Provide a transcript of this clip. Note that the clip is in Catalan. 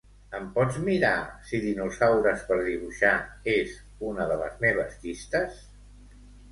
Em pots mirar si "Dinosaures per dibuixar" és una de les meves llistes?